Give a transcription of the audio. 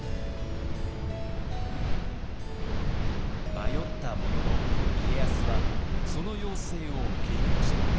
迷ったものの家康はその要請を受け入れました。